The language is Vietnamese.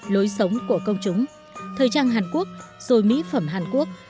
lối sống của công chúng thời trang hàn quốc rồi mỹ phẩm hàn quốc